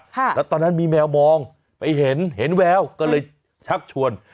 แล้วตอนนั้นมีแมวมองไปเห็นเห็นแววก็เลยชักชวน